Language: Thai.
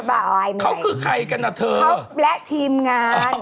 ไม่ต้องให้อ่านซ้ำได้ไหมนะ